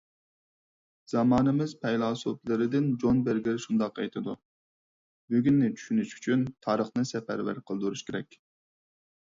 زامانىمىز پەيلاسوپلىرىدىن جون بېرگېر شۇنداق ئېيتىدۇ: «بۈگۈننى چۈشىنىش ئۈچۈن تارىخنى سەپەرۋەر قىلدۇرۇش كېرەك».